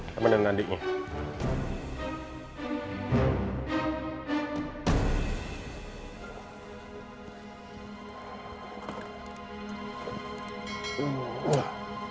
sama dengan adiknya